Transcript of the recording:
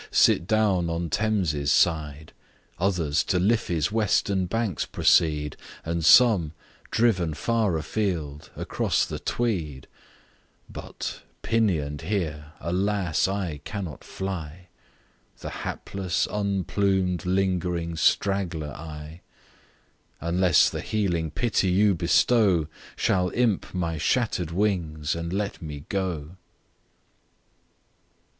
sit down on Thames's side; Others to Liffy's western banks proceed, And some driven far a field, across the Tweed: But, pinion'd here, alas! I cannot fly: The hapless, unplumed, lingering straggler I! Unless the healing pity you bestow, Shall imp my shatter'd wings, and let me go.